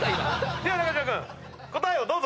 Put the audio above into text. では中島君答えをどうぞ！